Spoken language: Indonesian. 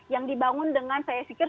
yang dibangun dengan saya pikir